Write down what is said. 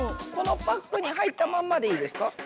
このパックに入ったまんまでいいんですか？